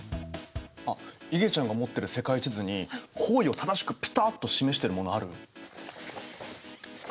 あっいげちゃんが持ってる世界地図に方位を正しくピタッと示してるものある？